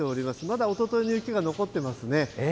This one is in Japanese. まだおとといの雪が残ってますね。